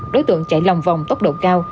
đối tượng chạy lòng vòng tốc độ cao